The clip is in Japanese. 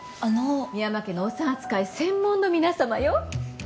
深山家のお産扱い専門の皆さまよ。